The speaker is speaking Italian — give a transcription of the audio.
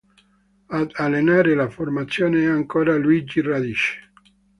Ad allenare la formazione è ancora Luigi Radice.